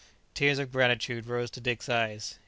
Tears of gratitude rose to Dick's eyes.